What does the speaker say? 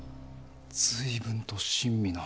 随分と親身な。